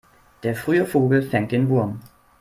Der frühe Vogel fängt den Wurm.